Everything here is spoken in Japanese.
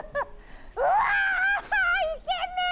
うわー、イケメン。